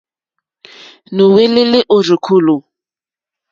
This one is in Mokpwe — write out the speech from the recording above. Nùwɛ́lɛ́lɛ́ ó rzùkúlù.